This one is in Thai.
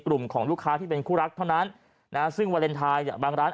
กลุ่มของลูกค้าที่เป็นคู่รักเท่านั้นนะฮะซึ่งวาเลนไทยเนี่ยบางร้าน